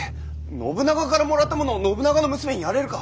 信長からもらったものを信長の娘にやれるか。